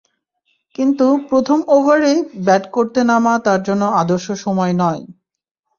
কিন্তু প্রথম ওভারেই ব্যাট করতে নামা তার জন্য আদর্শ সময় নয়।